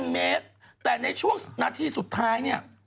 ๑เมตรแต่ในช่วงนาทีสุดท้ายเนี่ย